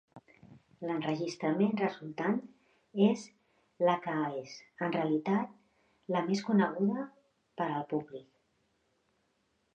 L'enregistrament resultant és la que és, en realitat la més coneguda per al públic.